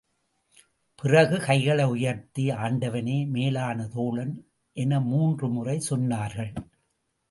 பிறகு கைகளை உயர்த்தி, ஆண்டவனே மேலான தோழன்! என மூன்று முறை சொன்னார்கள்.